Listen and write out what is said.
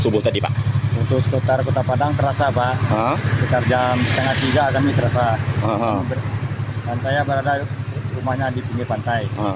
kami juga kami terasa dan saya berada rumahnya di pinggir pantai